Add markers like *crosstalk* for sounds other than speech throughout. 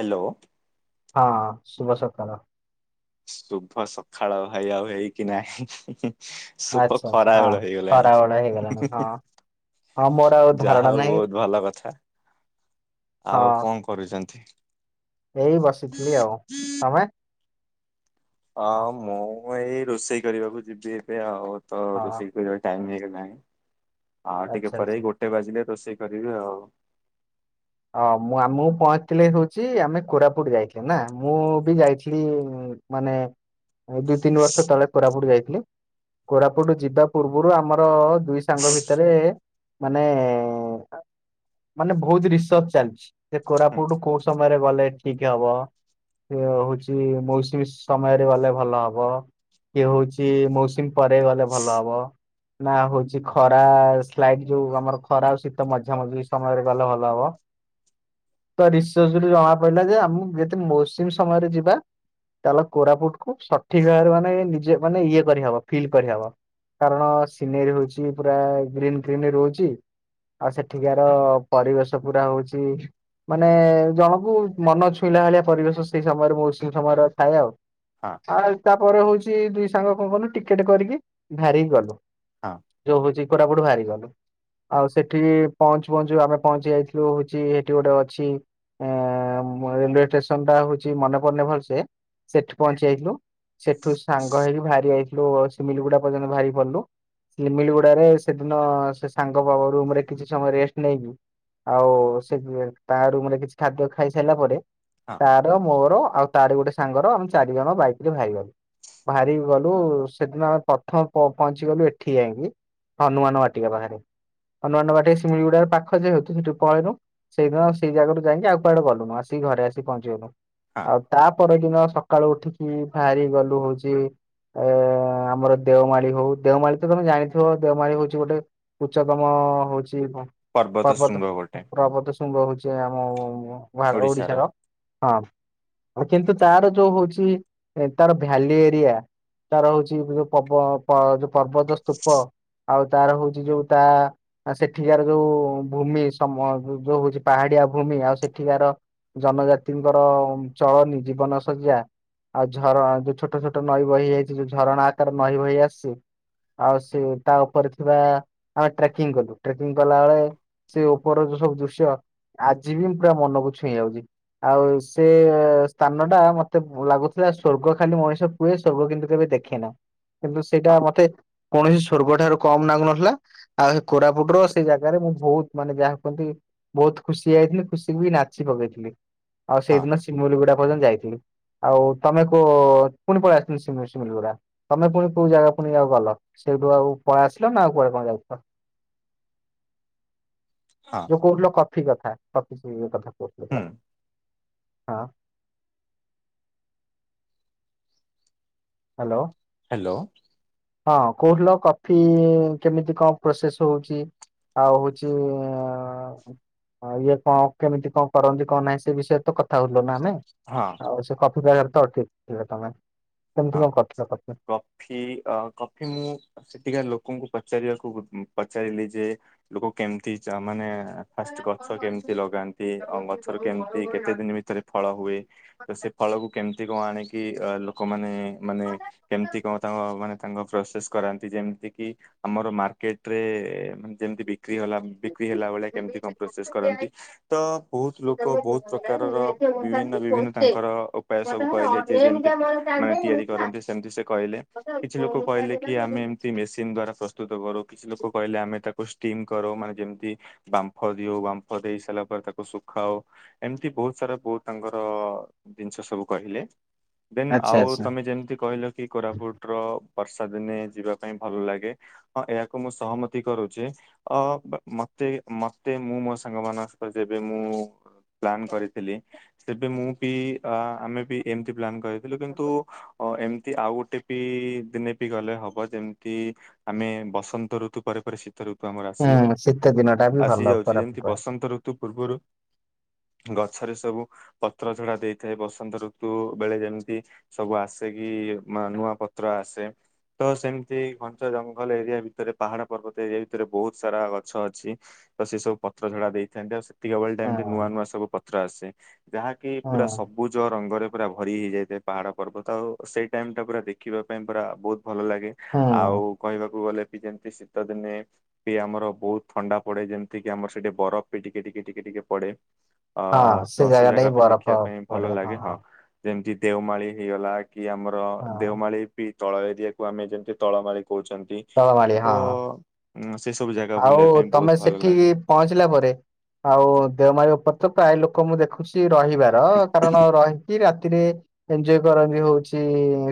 Hello. ହଁ ସୁଭ ସକାଳ। ଶୁଭ ସଖାଳ ଭାଇ ଆଉ ହେଇକି ନାହିଁ। *unintelligible* ସୁପ ଆଚ୍ଛା ଆଚ୍ଛା ହଁ ଖରାବେଳ ହେଇଗଲାଣି। ଖରାବେଳ ହେଇଗଲାଣି ହଁ *unintelligible* ହଁ ମୋର ଆଉ ଧାରଣା ଯାହା ନାହିଁ ହୋଉ ବୋହୁତ ଭଲ କଥା ହଁ ଆଉ କଁ କରୁଚନ୍ତି। ଏଇ ବସିଥିଲି ଆଉ ତମେ। ହଁ ମୁଁ ଏଇ ରୋଷେଇ କରିବାକୁ ଯିବି ଏବେ ଆଉ ତ ହଁ ରୋଷେଇ କରିବା ଟାଇମ୍ ହେଇଗଲାଣି ଆଉ ଟିକେ ଆଚ୍ଛା ପରେ ଆଚ୍ଛା। ଏଇ ଗୋଟେ ବାଜିଲେ ରୋଷେଇ କରିବି ଆଉ। ହଁ ମୁଁ ଆମୁକୁ ପହଞ୍ଚିଥିଲି ହୋଉଚି ଆମେ କୋରାପୁଟ ଯାଇଥିଲେ ନା ମୁଁ ବି ଯାଇଥିଲି। ମାନେ ଦୁଇ ତିନି ବର୍ଷ ତଳେ କୋରାପୁଟ ଯାଇଥିଲି। କୋରାପୁଟୁ ଯିବା ପୂର୍ବୁରୁ ଆମର ଦୁଇ ସାଙ୍ଗ ଭିତରେ। ମାନେ ମାନେ ବୋହୁତୁ ଡିସ୍ *unintelligible* ଚାଲଛି ଯେ ହୁଁ କୋରାପୁଟୁ କୋଉ ସମୟରେ ଗଲେ ଠିକ ହବ। କିଏ ହୋଉଛି ମୌସୁମୀ ସମୟରେ ଗଲେ ଭଲ ହବ। କିଏ କୋହୁଛି ମୌସୁମୀ ପରେ ଗଲେ ଭଲ ହବ। ନା ହୋଉଛି ଖରା ସ୍ଲାଇଟ୍ ଯୋଉ ଆମର ଖରା ଆଉ ଶୀତ ମଝା ମଝି ସମୟରେ ଗଲେ ଭଲ ହବ। ତ ରିସର୍ଚ୍ ରୁ ଜଣା ପଇଲା ଯେ ଆମୁକୁ *unintelligible* ମୌସୁମୀ ସମୟରେ ଯିବା ତାହେଲେ କୋରାପୁଟ କୁ ସଠିକ ଭାବରେ ମାନେ ନିଜେ ମାନେ ଇଏ କରିହବ ଫିଲ୍ କରିହବ। କାରଣ ସିନେରୀ ହୋଉଛି ପୁରା ଗ୍ରୀନ୍ ଗ୍ରୀନ ରୋହୁଚି। ଆଉ ସେଠିକାର ପରିବେଶ ପୁରା ହୋଉଚି। ମାନେ ଜଣକୁ ମନ ଛୁଇଁଲା ଭଳିଆ ପରିବେଶ ସେଇ ସମୟରେ ମୌସୁମୀ ସମୟର ଥାଏ ଆଉ। ହଁ *unintelligible* ତାପରେ ହୋଉଛି ଦୁଇ ସାଙ୍ଗ କଁ କଲୁ ଟିକେଟ୍ କରିକି ବାହାରିକି ଗଲୁ। ହଁ ଯୋଉ ହୋଉଚି କୋରାପୁଟ ବାହାରିକି ଗଲୁ ଆଉ ସେଠି ପହଞ୍ଚୁ ପହଞ୍ଚୁ ଆମେ ପହଞ୍ଚି ଯାଇଥିଲୁ ହୋ ଚି ହେଟୀ ଗୋଟେ ଅଛି ଏଁ ମ ରେଲୱେ ଟେସନ୍ ଟା ହୋଉଚି ମନେ ପଡୁନି ଭଲସେ। ସେଠି ପହଞ୍ଚି ଯାଇଥିଲୁ ସେଠୁ ସାଙ୍ଗ ହେଇକି ବାହାରି ଯାଇଥିଲୁ ହୋ ସ୍ଲିମିଲଗୁଡା ପର୍ଯ୍ୟନ୍ତ ବାହାରିକି ପଡିଲୁ। ସ୍ଲିମିଲ୍ ଗୁଡାରେ ସେଦିନ ସେ ସାଙ୍ଗ ବାବା ରୁମ୍ ରେ କିଛି ସମୟ ରେଷ୍ଟ ନେଇକି ଆଉ ସେ ତା ରୁମ୍ ରେ କିଛି ଖାଦ୍ୟ ଖାଇସାଇଲା ପରେ ହଁ ତାର ମୋରୋ ଆଉ ତାରି ଗୋଟେ ସାଙ୍ଗର ଆମେ ଚାରି ଜଣ ବାଇକ୍ ରେ ଭାରିଗଲୁ। ବାହାରି ଗଲୁ ସେଦିନ ଆମେ ପଥମ ପ ପହଞ୍ଚି ଗଲୁ ଏଠି ଯାଇଁକି ହନୁମାନ ବାଟିକା ପାଖେରେ ହନୁମାନ ବାଟିକା ଶିମିଳିଗୁଡାରୁ ପାଖ ଯେହେତୁ ସେଠି ପଳେଇନୁ ସେଇଦିନ ସେଇ ଜାଗାରୁ ଯାଇକି ଆଉ କୁଆଡେ ଗଲୁନୁ ଆସିକି ଘରେ ଆସିି ପହଞ୍ଚିଗଲୁ ହଁ। ଆଉ ତା ପରଦିନ ସକାଳୁ ଉଠିକି ଭାରିକି ଗଲୁ ହୋଉଚି ଏଁ ଆମର ଦେଓମାଳି ହୋଉ ଦେଓମାଳି ତ ତମେ ଜାଣିଥିବ ଦେଓମାଳି ହୋଉଚି ଗୋଟେ ଉଚ୍ଚତମ ହୋଉଛି ହଁ ପର୍ବତ ଶୃଙ୍ଗ ହଁ ଗୋଟେ ପ୍ରବତ *unintelligible* ହୋଉଛି ଆମ ଭା ଓଡିଶାର ହଁ। ଆଉ କିନ୍ତୁ ତାର ଯୋଉ ହୋଉଛି ତାର ଭ୍ୟାଲି ଏରିଆ। ତାର ହୋଉଚି ଯୋଉ ପବ ପ ଯୋଉ ପର୍ବତ ସ୍ତୂପ। ଆଉ ତାର ହୋଉଚି ଯୋଉ ତା ଆଁ ସେଠିକାର ଯୋଉ ଭୂମି ସମ ଯୋ ଯୋଉ ହୋଉ ଚି ପାହାଡିଆ ଭୂମି ଆଉ ସେଠିକାର ଜନଜାତିଙ୍କର ଚଳନୀ ଜୀବନ ଶଯ୍ୟା। ଆଉ ଝର ଯୋଉ ଛୋଟୋ ଛୋଟୋ ନଈ ବହି ଯାଇଚି ଯୋଉ ଝରଣା ଆକାର ନଈ ବହି ଆସିଚି। ଆଉ ସେ ତା ଉପରେ ଥିବା ଆମେ ଟ୍ରେକିଂ କଲୁ ଟ୍ରେକିଂ କଲା ବେଳେ ସେ ଉପରର ଯୋଉ ସବୁ ଦୃଶ୍ୟ। ଆଜି ବି ମୁଁ ପୁରା ମନକୁ ଛୁଇଁ ଯାଉଛି। ଆଉ ସେ ସ୍ଥାନ ଟା ମତେ ଲାଗୁଥିଲା ସ୍ଵର୍ଗ ଖାଲି ମଣିଷ କୁଏ ସଵର୍ଗ କିନ୍ତୁ କେବେ ଦେଖେ ନା କିନ୍ତୁ ସେଇଟା ହଁ ମତେ କୌଣସି ସଵର୍ଗ ଠାରୁ କମ୍ ନାଗୁ ନଥିଲା। ଆଉ ସେଇ କୋରାପୁଟ ର ସେଇ ଜାଗାରେ ମୁଁ ବହୁତ ମାନେ ଯାହା ହ କହନ୍ତି। ବହୁତ ଖୁସି ଯାଇଥିଲି ଖୁସି ବି ନାଚି ପକେଇଥିଲି। ଆଉ ହଁ ସେଇଦିନ ସିମୁଲିଗୁଡା ପର୍ଯ୍ୟନ୍ତ ଯାଇଥିଲି। ଆଉ ତମେକୁ ପୁଣି ପଳେଇ ଆସିଥିଲ ସିମ ଗୁଡା। ତମେ ପୁଣି କୋଉ ଜାଗା ପୁଣି ଯିବାକୁ ଗଲ। ସେଇଠୁ ଆଉ ପଳେଇ ଆସିଲ ନା ଆଉ କଆଡେ ଯାଉଥିଲ। *inaudible* ହଁ। ଯୋଉ କହୁଥିଲ କଫି କଥା କଫି ପିଇବା କଥା। କହୁଥିଲ ପା ହୁଁ ହଁ। ହ୍ୟାଲୋ। ହ୍ୟାଲୋ। ହଁ କୋହୁଥିଲ କଫି କେମିତି କଣ ପ୍ରୋସେସ ହଉଛି। ଆଉ ହଉଛି ହଁ ଇଏ କଣ କେମିତି କଣ କରନ୍ତି କଣ ନାହିଁ ସେ ବିଷୟରେ ତ କଥା ହୋଉଥିଲ ନା। ହଁ ଆଉ ସେ କଫି ବାର ତ ଠିକ୍ ତମେ କେମିତି ହଁ କଣ କରିଥିଲ କଫି? କଫି କଫି ମୁଁ ସେଠିକା ଲୋକଙ୍କୁ ପଚାରିବାକୁ ପଚାରିଲି ଯେ ଲୋକ କେମିତି ମାନେ ଫାଷ୍ଟ ଗଛ କେମିତି ଲଗାନ୍ତି ଅ ଗଛର କେମିତି କେତେ ଦିନ ଭିତରେ ଫଳ ହୁଏ। ତ ସେ ଫଳକୁ କେମିତି କଣ ଆଣିକି ଅ ଲୋକମାନେ ମାନେ କେମତି କଣ ତାଙ୍କ ମାନେ ତାଙ୍କ ପ୍ରୋସେସ କରାନ୍ତି ଯେମିତି କି ଆମର ମାର୍କେଟ ରୋନେ ଯେମ୍ ତି ବିକ୍ରି ହେଲା। ହେଲାବେଳେ କେମତି ପ୍ରୋସେସ କରନ୍ତି ତ ବହୁତ ଲୋକ ବହୁତ ପ୍ରକାରର ବିଭିନ୍ନ ବିଭିନ୍ନ ତାଙ୍କର ଏମିତି ସବୁ କହିଲେ ଯେ ଯେମତି ଆ ତିଆରି କରନ୍ତି ସେମତି କହେ କିଛି ଲୋକ କହିଲେ କି ଆମେ ଏମିତି ମେସିନ ଦ୍ୱାରା ପ୍ରସ ତୁ ତ ଗଲୁ କିଛି ଲୋକ କହିଲେ ଆମେ ତାକୁ ଷ୍ଟିମ୍ କର ମାନେ ଯେମିତି ବାମ୍ଫ ଦିଉ ବାମ୍ଫ ଦେଇ ସାରିଲା ପରେ ତାକୁ ଶୁଖାଉ। ଏମିତି ବହୁତ ସାରା ବହୁ ତାଙ୍କର ଜିନିଷ ସବୁ କହିଲେ। ଦେନ୍ ଆଚ୍ଛା ଆଉ ଆଚ୍ଛା ତମେ ଯେମିତି କହିଲ କି କୋରାପୁଟର ବର୍ଷା ଦିନେ ଯିବା ପାଇଁ ଭଲ ଲାଗେ। ହଁ ଏହାକୁ ମୁଁ ସହମତି କରୁଛି। ଅ ମତେ ମତେ ମୁଁ ମୋ ସାଙ୍ଗ ମାନଙ୍କରେ ଜିବି ମୁଁ ପ୍ଲାନ କରିଥିଲି ସେବେ ମୁଁ ବି ଆମେ ବି ଏମିତି ପ୍ଲାନ କରି ଥିଲ କିନ୍ତୁ ଅ ଏମିତି ଆଉ ଗୋଟେ ବି ଦିନେ ବି ଗଲେ ହବ ଯେମିତି ଆମେ ବସନ୍ତ ଋତୁ ପରେ ପରେ ଶୀତ। ଋତୁ ଆମର ଆସି ହୁଁ ଶୀତ ଦିନ ଟା ବି ଭଲ ଆସିଯାଉଛି କୋରାପୁଟ ଯେମତି ବସନ୍ତ ଋତୁ ପୂର୍ବରୁ ଗଛରେ ସବୁ ପତ୍ର ଝଡା ଦେଇଥାଏ। ବସନ୍ତ ଋତୁ ବେଳେ ଯେମିତି ସବୁ ଆସେ କି ନୂଆ ପତ୍ର ଆସେ। ତ ସେମିତି ଘଞ୍ଚ ଜଙ୍ଗଲ ଏରିଆ ଭିତରେ ପାହାଡ ପର୍ବତ ଏରିଆ ଭିତରେ ବହୁତ ସାରା ଗଛ ଅଛି। ତ ସେ ସବୁ ପତ୍ର ଝଡା ଦେଇଥାନ୍ତି ଆଉ ସେ ଟାଇମ ପାଇଁ ରେ ହୁଁ। ନୂଆ ନୂଆ ସବ ପତ୍ର ଆସେ ଯାହାକି ହୁଁ ପୁରା ସବୁ ଜ ରଙ୍ଗରେ ପୁରା ଭରି ହେଇଯାଇଥାଏ। ପାହାଡ଼ ପର୍ବ ତ ଆଉ ସେଇ ଟାଇମ ଟା ପୁରା ଦେଖିବା ପାଇଁ ପୁରା ବହୁତ ଭଲ ଲାଗେ ଆଉ ହୁଁ କହିବାକୁ ଗଲେ ବି ଯେମତି ଶୀତ ଦିନେ ବି ଆମର ବହୁତ ଥଣ୍ଡା ପଡେ ଯେମିତି କିି ଆମର ସେଠି ବରଫ ବି ଟିକେ ଟିକେ ଟିକେ ଟିକେ ପଡେ। ଅ ତ ସେ ଜାଗା ବି ଦେଖିବା ପାଇଁ ଭଲ ଲାଗେ ହଁ। ଯେମିତି ଦେଓମାଳି ହେଇଗଲା କି ଆମର ହଁ ଦେଓମାଳି। ବି ତଳ ଏରିଆକୁୁ ଆମେ ଯେମିତି ତଳ ମାରି କହୁଛନ୍ତି। ତଳେ ହଁ। ହଁ ସେ ସବୁ ଜା ଆଉ ତମେ ସେଠି ପହଞ୍ଚିଲା ପରେ ଆଉ ଦେଓମାର ଉପର୍ ପ୍ରାୟ ଲୋକ ଲୋକ ମୁଁ ଦେଖୁଛି ରହିବାର କାରଣ ରହିକି ରାତିରେ ଏଞଜୟ କରନ୍ତି ହଉଛି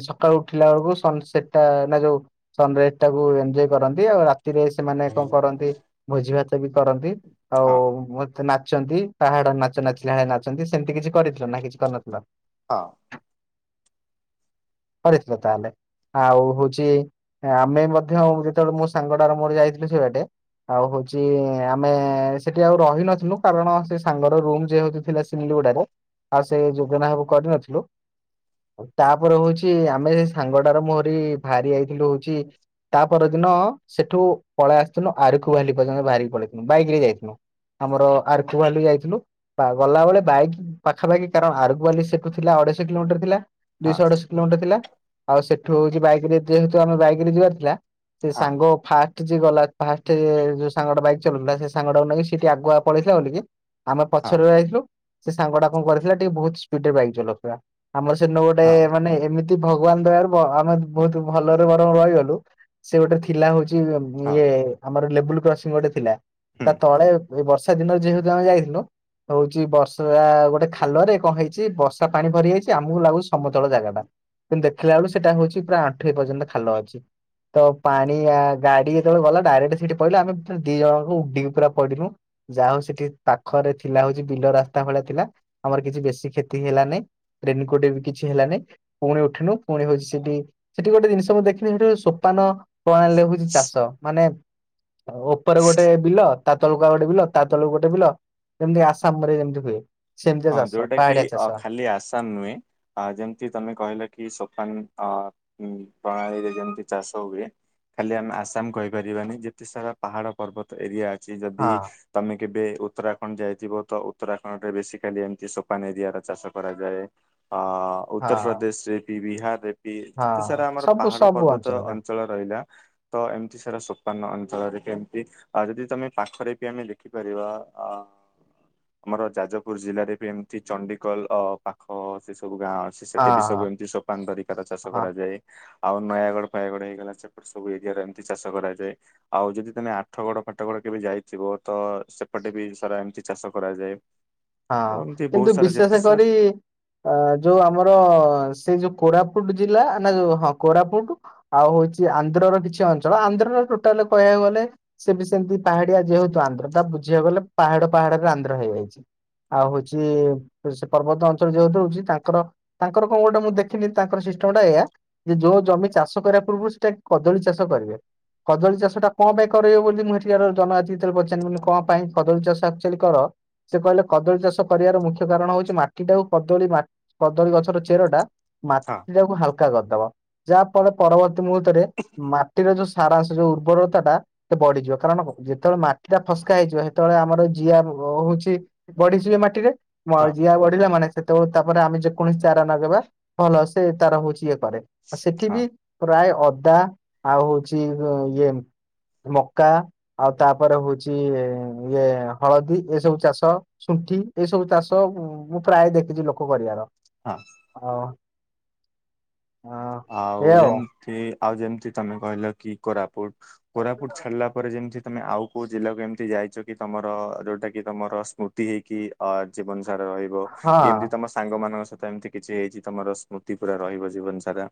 ସକାଳୁ ଉଠିଲା ବେଳକୁ ସେଟା ନା ଯୋଉ ସନରାଇଜ ଟାକୁ ଏଜୟ କରନ୍ତି ଆଉ ରାତିରେ ସେମାନେ ହଁ କଣ କରନ୍ତି ଭୋଜି ଭାତ ବି କରନ୍ତି। ଆଉ ହଁ ଦେ ନାଚନ୍ତି ପାହାଡ ନାଚ ନାଚିଲାେଳିଆ ନାଚନ୍ତି ସେମିତି କିଛି କରିଥିଲ ନା କିଛି କରିନଥିଲ। ହଁ। କରିଥିଲ ତାହଲେ। ଆଉ ହଉଛି ଆମେ ମଧ୍ୟ ଯେତେବେଳେ ମୁଁ ସାଙ୍ଗଡାାର ମୋର ଯାଇଥିଲୁ ସେଇ ବାଟେ ଆଉ ହଉଛି ଆମେ ସେଠି ଆଉ ରହି ନଥିଲୁ କାରଣ ସେ ସାଙ୍ଗର ରୁମ୍ ଯେ ହଉ ଥିଲା ତିଲିଗୁଡାରେ ଆଉ ସେ ଯୋଜନା ସବୁ କରିନଥିଲୁ। ତାପରେ ହଉଛି ଆମେ ସେ ସାଙ୍ଗଟାର ମୁହଁରି ବାହାରି ଯାଇଥିଲୁ ହଉଛି ତା ପର ଦିନ ସେଠୁ ପଳେଇ ଆସିଥିଲୁ ଆରକୁୁ ବାହାରଲି ପର୍ଯ୍ୟନ୍ତ ବାହାରିକି ପଳେଇଥିଲୁ ବାଇକ ରେ ଯାଇଥିଲୁ। ଆମର ଆର୍କୁ ଭାଲି ଯାଇଥିଲୁ। ଗଲାବେଳେ ବାଇକ ପାଖାପାଖି କାରଣ ଆରଗୁ ବାଲି ସେଠୁ ଥିଲା ଅଢେଇଶ କିଲୋମିଟର ଥିଲା। ହଁ ଦୁଇଶହ ଅଠଶହ କିଲୋମିଟର ଥିଲା। ଆଉ ସେଠୁ ହଉଛି ବାଇକ ରେ ଯେହେତୁ ଆମେ ବାଇକ ରେ ଯିବାର ଥିଲା ସେ ହଁ ସାଙ୍ଗ ଫାର ଗଲାଷ୍ଟ ଯୋଉ ସାଙ୍ଗା ବାଇକ୍ ଚଲଥିଲା ସେ ସାଙ୍ଗାକୁ ନେଇକି ସେଠି ଆଗୁଆ ପଳେଇଥିଲା ବୋଲି କି ଆମେ ହଁ ପଛରେ ଯାଇଥିଲୁ ସେ ସାଙ୍ଗଟା କଣ କରିଥିଲା ଟିକେ ବହୁତ ସ୍ପିଡ ବାଇକ୍ ଚଲାଉଥିଲା। ଆମ ସେନିନୁ ଗୋଟେ ହଁ ମାନେ ଏମିତି ଭଗବାନ ଦୟାର ଆମେ ବହୁତ ଭଲରେ ବରଂ ରହିଗଲୁ। ସେ ଗୋଟେ ଥିଲା ହଉଛି ହଁ ଇଏ ଆମର ଲେବୁଲ କ୍ରସିଂ ଗୋଟେ ଥିଲା। ହୁଁ। ତା ତଳେ ବର୍ଷା ଦିନରେ ଯେହେତୁ ଆମେ ଯାଇଥିଲୁ ହଉଛି ବର୍ଷା ଗୋଟେ ଖାଲରେ କଣ ହେଇଛି ବର୍ଷା ପାଣି ଭରି ଯାଇଛି ଆମକୁ ଲାଗୁଛି ସମତଳ ଜାଗା ଟା। କିନ୍ତୁ ଦେଖିଲା ବେଳୁ ସେଇଟା ହଉଛି ପୁରା ଆଠ ପର୍ଯ୍ୟନ୍ତ ଖାଲ ଅଛି। ତ ପାଣି ଗାଡି ଯେତେବେଳେ ଗଲା ଡରେକ୍ଟ ସେଠି ପଇଲା ଆମେ ଦି ଜଣଙ୍କୁ ଉି ପୁରା ପଡିଲୁ। ଯାହା ହଉ ସେଠି ପାଖରେ ଥିଲା ହଉଛି ବିଲ ରାସ୍ତା ଭଳିଆ ଥିଲା ଆମର କିଛି ବେଶୀ କ୍ଷତି ହେଲାନାଇ। ରେନକୋଟ ଏବେ କିଛି ହେଲାନି। ପୁଣି ଉଠିନୁ ପୁଣି ହଉଛି ସେଠି ସେଠି ଗୋଟେ ଜିନିଷଁ ଦେଖିନି ସେଠି ସୋପାନ କଣ ଲେଖୁଛି ଚାଷ ମାନେ ଉପରେ ଗୋଟେ ବିଲ ତା ତଳକୁ ଆଉ ଗୋଟେ ବିଲ ତା ତଳକୁ ଗୋଟେ ବିଲ ଯେମିତି ଆସାମ ରେ ଯେମିତି ହୁଏ। ସେମିତିଆ ହଁ ଚାଷ ଯୋଉଟା କି ପାହାଡିଆ ଚାଷ ଖାଲି ଆସାମ ନୁହେଁ। ଆ ଯେମିତି ତମେ କହିଲ କି ସୋଫାନ ଅ ପ୍ରଣାଳୀରେ ଯେମିତି ଚାଷ ହୁଏ। ଖାଲି ଆମେ ଆସାମ କହିପାରିବାନି ଯେତେ ସାରା ପାହାଡ଼ ପର୍ବତ ଏରିଆ ଅଛି ଯଦି ହଁ ତମେ କେବେ ଉତ୍ତରାଖଣ୍ଡ ଯାଇଥିବ ତ ଉତ୍ତରାଖଣ୍ଡ ରେ ବେଶୀ ଖାଲି ଏମିତି ସୋପାନ ଏରିିଆର ଚାଷ କରାଯାଏ। ଅ ହଁ ଉତ୍ତର ପ୍ର୍ରଦେଶ ରେ ବି ବିହାରରେ ବି ହଁ ଯେତେ ସାରା ଆମର ସବୁ ପାହାଡ ସବୁ ପର୍ବତ ଅଞ୍ଚଳରେ ଅଞ୍ଚଳ ରହିଲା ତ ଏମିତି ସାରା ସୋପାନ ଅଞ୍ଚଳରେ କେମତି୍? ଆଉ ଯଦି ତମେ ପାଖରେ ବି ଆମେ ଦେଖିପାରିବା ଅ ଆମର ଯାଜ ପୁରି ଜିଲ୍ଲାରେ ବି ଏମିତି ଚଣ୍ଡଡିିକଲ ପାଖ ସେ ସବୁ ଗାଁ ଆ ସେଠି ବି ସବୁ ହଁ ଏମିତି ସୋପାନ ତରିକାର ଚାଷ ହଁ କରାଯାଏ। ଆଉ ନୟାଗଡ ଫୟାଗଡ ହେଇଗଲା ସେପଟେ ସବୁ ଏରିଆରେ ଏମିତି ଚାଷ କରାଯାଏ। ଆଉ ଯଦି ତମେ ଆଠ ଗଡ ଫାଟ ଗଡ କେବେ ଯାଇଥିବ। ତ ସେପଟେ ବି ସାରା ଏମିତି ଚାଷ କରାଯାଏ। ହଁ ତ ଏମିତି ବହୁତ କିନ୍ତୁ ସାରା ଯେତେ ବିଶେଷ ସାର୍ କରି ଅ ଯୋଉ ଆମର ସେଇ ଯୋଉ କୋରାପୁଟ ଜିଲ୍ଲା ନା ଯୋଉ ହଁ କୋରାପୁଟ ଆଉ ହଉଛି ଆନ୍ଧ୍ର ର କିଛି ଅଞ୍ଚଳ ଆନ୍ଧ୍ରର ଟୋଟାଲ କହିଆକୁ ଗଲେ ସେ ବି ସେମିତି ପାହାଡିଆ ଯେହେତୁ ଆନ୍ଧ୍ର ତା ବୁଝିଆକୁ ଗଲେ ପାହାଡ ପାହାଡରେ ଆନ୍ଧ୍ର ହେଇଯାଇଛି। ଆଉ ହଉଛି ସେ ପର୍ବତ ଅଞ୍ଚଳ ଯେହେତୁ ହଉଛି ତାଙ୍କର ତାଙ୍କର କଣ ଗୋଟେ ମୁଁ ଦେଖିନି ତାଙ୍କର ସିଷ୍ଟମ ଟା ଏୟଆ ଯେ ଯୋଉ ଜମି ଚାଷ କରିବା ପୂର୍ବରୁ ସେଟା କଦଳୀ ଚାଷ କରିବେ। କଦଳୀ ଚାଷଟା କଣ ପାଇଁ କରିବ ବୋଲି ମୁଁ ଏଠିାକାର ଜନଜତିତ ପଚାରି ବୋଲି କଣ ପାଇଁ କଦଳୀ ଚାଷ ଆକ୍ଚୁଆଲି କର? ସେ କହିଲେ କଦଳୀ ଚାଷ କରିଆର ମୁଖ୍ୟ କାରଣ ହଉଛି ମାଟିଟାଉ କଦଳୀ ମାଟି କଦଳୀ ଗଛର ଚେରଟା ହଁ ମାଟି ଟାକୁ ହାଲୁକା କରିଦବ, ଯାହା ଫଳ ପରବର୍ତ୍ତୀ ମୁହୂର୍ତ୍ତରେ ମାଟିର ଯୋଉ ସାରାଅଂଶ ଯୋଉ ଉର୍ବରତା ଟା ସେ ବଢିଯିବ କାରଣ ଯେତେବେଳେ ମାଟି ଟା ଫସ୍କା ହେଇଯିବ ସେତେବେଳେ ଆମର ଜିଆ ଅ ହଉଛି ବଢିଯିବେ ମାଟିରେ ମ୍ ହଁ ଯିଆ ବଢିଲା ମାନେ ସେତେବେଳ ତାପରେ ଆମେ ଯେକୌଣସି ଚାରା ନଗେଇବା ଭଲ ସେ ତାର ହଉଛି ଇଏ କରେ ଆଉ ସେଠି ହଁ ବି ପ୍ରାୟ ଅଦା ଆଉ ହଉଛି ଇଏ ମକା ଆଉ ତାପରେ ହଉଛି ଇଏ ହଳଦୀ ଏ ସବୁ ଚାଷ ଶୁଣ୍ଠି ଏଇ ସବୁ ଚାଷ ମୁଁ ପ୍ରାୟ ଦେଖିଛି ଲୋକ କରିଆର। ହଁ। ହଁ। ଆଉ ଯେମିତି ଆଉ ଯେମିତି ତମେ କହିଲ କି କୋରାପୁଟ, କୋରାପୁଟ ଛାଡିଲା ଉପରେ ଯେମିତି ତମେ ଆଉ କୋଉ ଜିଲ୍ଲାକୁ ଏମିତି ଯାଇଛ କି, ତମର ଯୋଉଟା କି ତମର ସ୍ମୃତି ହେଇକି ଅ ଜୀବନ ସାରା ରହି ବ ହଁ। ଏମିତି ତମ ସାଙ୍ଗ ମାନଙ୍କ ସହିତ ଏମିତି କିଛି ହେଇଛି ତମର ସ୍ମୃତି ପୁରା ରହିବ ଜୀବନ ସାରା।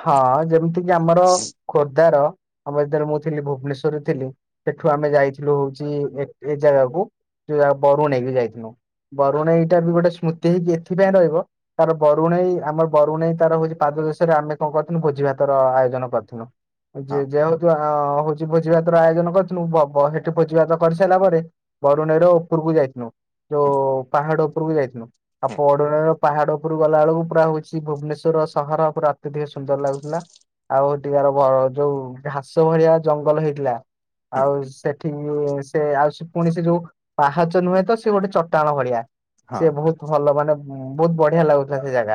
ହଁ ଯେମିତି କିି ଆମର, ଖୋର୍ଦ୍ଧାର ଆମ ଏଥିରେ ମୁଁ ଥିଲି ଭୁବନେଶ୍ଵରରେ ଥିଲି ସେଠୁ ଆମେ ଯାଇଥିଲୁ ହଉଛି ଏ ଏ ଜାଗାକୁ ବରୁଣେଇକ ଯାଇଥଥିଲୁ, ବରୁଣେଇ ଟା ବି ଗୋଟେ ସ୍ମୃତି ହେଇକି ଏଥିପାଇଁ ରହିବ ତାର ବରୁଣେଇ ଆମ ବରୁଣେଇ ତାର ହଉଛି ପାଦ ଦେଶରେ ଆମେ କଣ କରିଥିଲୁ ଭୋଜି ଭାତର ଆୟୋଜନ କରିଥିଲୁ ହଁ ହଉଛି ଭୋଜିଭାତ ର ଆୟୋଜନ କରିଥିଲୁ, ଵ ବ ସେଠି ଭୋଜିଭାତ କରିସାରିଲା ପରେ ବରୁଣେର ର ଉପରୁକୁ ଯାଇଥିଲୁ, ହୁଁ ଯୋଉ ପାହାଡ ଉପରୁକୁ ଯାଇଥିଲୁ, ଆଉ ହୁଁ ବଡୁଣେଇର ପାହାଡ ଉପରୁକୁ ଗଲାବେେଳକୁ ପୁରା ହଉଛି ଭୁବନେଶ୍ୱର ସହର ପୁରା ଏତେ ଟିକେ ସୁନ୍ଦର ଲାଗୁଥିଲା, ଆଉ ଏଟିକାର ବଡ ଯୋଉ ଘାସ ଭଳିଆ ଜଙ୍ଗଲ ହେଇଥିଲା ହୁଁ ଆଉ ସେଠିକି, ସେ ଆଉ ସେ ପୁଣି ସେ ଯୋଉ ପାହାଚ ନୁହେଁ ତ ସେ ଗୋଟେ ଚଟାଣ ଭଳିଆ, ହଁ ସିଏ ବହୁତ ଭଲ ମାନେ ବହୁତ ବଢିଆ ଲାଗୁ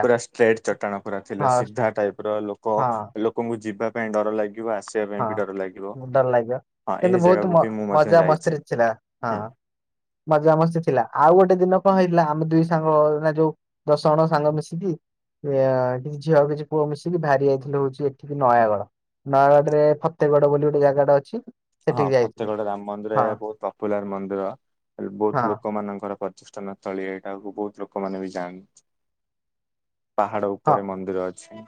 ପୁରା ଷ୍ଟ୍ରେଟ୍ ଚଟାଣ ପୁରା ଥିଲା ହଁ ସିଧା ଟାଇପ ର ଲୋକ ହଁ। ଲୋକଙ୍କୁ ଯିବା ପାଇଁ ଡର ଲାଗିବ ଆସି ହଁ ଡର ଲାଗିବ, ଏହି କିନ୍ତୁ ବହୁତ ଜାଗାକୁ ମ୍ ବି ମୁଁ ମଧ୍ୟ ମଜା ଯାଇଛି ମସ୍ତିରେ ଥିଲା ହଁ। ହୁଁ ମଜା ମସ୍ତି ଥିଲା। ଆଉ ଗୋଟେ ଦିନ କଣ ହେଇଥିଲା ଆମେ ଦୁଇ ସାଙ୍ଗ ଓ ନା ଯୋଉ ଦଶ ଜଣ ସାଙ୍ଗ ମିଶିକି କିଛି ଝିଅ କିଛି ପୁଅ ମିଶିକି ବାହାରି ଯାଇଥିଲୁ ହଉଛି ଏଠିକି ନୟାଗଡ଼, ନୟାଗଡ଼ ଆମର ଫତେଗଡ ବୋଲି ଗୋଟେ ଜାଗାଟା ଅଛି। ହଁ ସେଠିକି ଯାଇଥିଲୁ ଫତେଗଡ ରାମ ମନ୍ଦିର ହଁ ଏହା ବହୁତ ପପୁଲାର ମନ୍ଦିର ହଁ ବହୁତ ଲୋକ ମାନଙ୍କର ପର୍ଯ ସ୍ଥନସ୍ଥଳୀ ଏଇଟାକୁ ବହୁତ ଲୋକମାନେ ବି ଯାଆନ୍ତି। ପାହାଡ ହଁ। ଉପରେ ମନ୍ଦିର ଅଛି।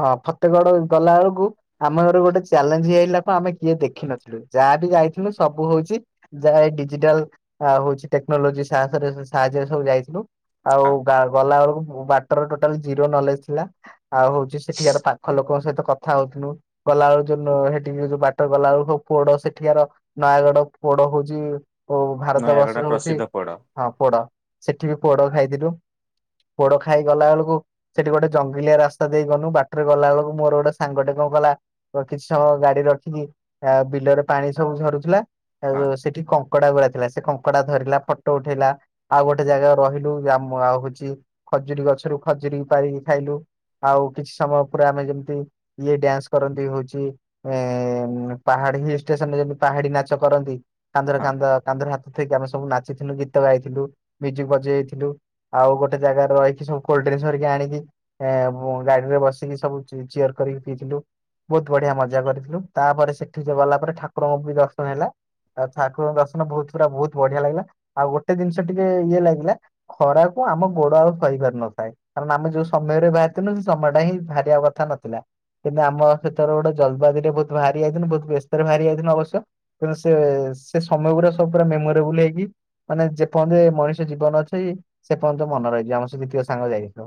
ହଁ ଫତେଗଡ ଗଲା ବେଳକୁ ଆମ ଘର ଗୋଟେ ଚ୍ୟାଲେଞ୍ଜି ହେଲା କଣ ଆମେ କିଏ ଦେଖିନଥିଲୁ ଯାହା ବିି ଯାଇଥିଲୁ ସବୁ ହଉଛି ଯାଏ ଡିଜିଟାଲ ହଉଛି ଟେକ୍ନୋଲୋଜି ସାହସରେ ସାହାଯ୍ୟରେ ସବୁ ଯାଇଥିଲୁ। ଆଉ ହଁ ଗଲା ବେଳକୁ ବାଟରେ ଟୋଟାଲ ଜିରୋ ନଲେଜ ଥିଲା। ଆଉ ହଉଛି ସେଠିକାର ପାଖ ଲୋକଙ୍କ ସହିତ କଥା ହଉଥିଲୁ। ଗଲାବେଳୁ ଯୋଉ ହେଠିକ ଯୋଉ ବାଟରେ ଗଲାବେଳକୁ ପୋଡ ସେଠିକାର ନୟାଗଡ ପୋଡ ହଉଛି ଓ ଭାରତ ନୟାଗଡ ବର୍ଷ ହଉଛି ପ୍ରସିଦ୍ଧ ପୋଡ ହଁ ପୋଡ ସେଠି ବି ପୋଡ ଖାଇଥିଲୁ ପୋଡ ଖାଇଗଲା ବେଳକୁ ସେଠି ଗୋଟେ ଜଙ୍ଗଲିଆ ରାସ୍ତା ଦେଇ ଗଲୁ ବାଟରେ ଗଲାବେେଳକୁ ମୋର ଗୋଟେ ସାଙ୍ଗଟେ କଣ କଲା କିଛି ସମୟ ଗାଡି ରଖିକି ଆ ବିଲରେ ପାଣି ସବୁ ଝରୁଥିଲା ହଁ ଆଉ ସେଠି କଙ୍କଡା ଗୁଡା ଥିଲା ସେ କଙ୍କଡା ଧରିଲା ଫଟୋ ଉଠେଇଲା ଆଉ ଗୋଟେ ଜାଗା ରେ ରହିଲୁ ଆଉ ହଉଛି ଖଜୁରୀ ଗଛରୁ ଖଜୁରୀ ପାରିକି ଖାଇଲୁ। ଆଉ କିଛି ସମୟ ପୁରା ଆମେ ଯେମିତି ଇଏ ଡ୍ୟାନ୍ସ କରନ୍ତି ହଉଛି ଉ ପାହାଡି ହିଲ୍ ଷ୍ଟେସନରେ ଯିମିତି ପାହାଡି ନାଚ କରନ୍ତି କାନ୍ଧରେ ହଁ। କାନ୍ଧ କାନ୍ଧରେ ହାତ ଜେତିକି ଆମେ ସବୁ ନାଚଥିଲୁ ଗୀତ ଗାଇଥିଲୁ ମ୍ୟୁଜିକ ବଜେଇଥିଲୁ ଆଉ ଗୋଟୋ ଜାଗାରେ ରହିକି ସବ କୋଲଡିଙ୍କ କରିକି ଆଣି ଗାଡିରେ ବସିକି ସବୁ ଚିୟର କରିକି ପିଇଥିଲୁ ବହୁତ ବଢିଆ ମଜା କରିଥିଲୁ ତାପରେ ସେଠି ଯୋଉ ଗଲା ପରେ ଠାକୁରଙ୍କୁ ବି ଦର୍ଶନ ହେଲା ଆଉ ଠାକୁରଙ୍କ ଦର୍ଶନ ବହୁତ ପୁରା ବହୁତ ବଢିଆ ଲାଗିଲା ଆଉ ଗୋଟେ ଜିନିଷ ଟିକେ ଇଏ ଲାଗିଲା ଖରାକୁ ଆମ ଗୋଡ ଆଉ ସହିପାରିନଥାଏ କାରଣ ଆମେ ଯୋଉ ସମୟରେ ବାହାରିଥିଲୁ ସେ ସମୟ ଟା ହିଁ ବାହାରିବା କଥା ନଥିଲା କିନ୍ତୁ ଆମ ସେଥର ଗୋଟେ ଜଲବାଜିରେ ବୋଧେ ଭାଆରି ଯାଇଥିଲୁ ବହୁତ ବ୍ୟସ୍ତରେ ଭାରି ଯାଇଥିଲୁ ଅବଶ୍ୟ ତଣୁ ସେ ସେ ସମୟ ଗୁଡା ସବ ପୁରା ମେମୋରେବୁଲ ହେଇକି ମାନେ ଯେପର୍ଯ୍ୟନ୍ତ ମଣିଷ ଜିବନ ଅଛି ସେ ପର୍ଯ୍ୟନ୍ତ ମନେ ରହିଛିିବ ଆମେ ସେ ଯେତିକି ସାଙ୍ଗ ଯାଇଥିଲୁ